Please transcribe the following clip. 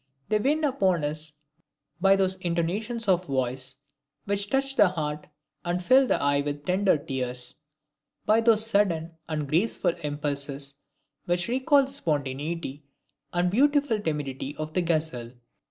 They win upon us by those intonations of voice which touch the heart, and fill the eye with tender tears; by those sudden and graceful impulses which recall the spontaneity and beautiful timidity of the gazelle.